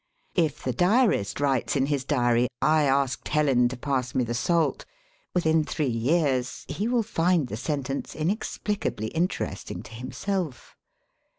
If the diarist writes in his diary, "I asked Helen to pass me the salt,'* within three years he will find the sentence inexplicably interesting to himself.